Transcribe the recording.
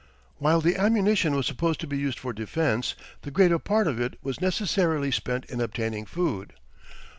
While the ammunition was supposed to be used for defense, the greater part of it was necessarily spent in obtaining food.